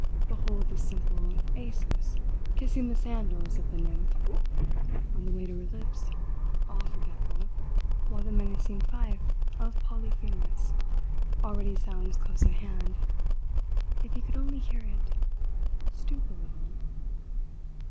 "Behold the simple, Acis kissing the sandals of the nymph, on the way to her lips, all forgetful, while the menacing fife of Polyphemus already sounds close at hand if he could only hear it! Stoop a little."